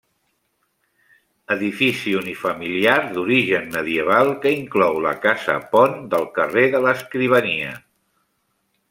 Edifici unifamiliar d'origen medieval, que inclou la casa-pont del carrer de l'Escrivania.